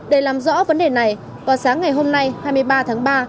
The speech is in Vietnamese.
để làm rõ vấn đề này vào sáng ngày hôm nay hai mươi ba tháng ba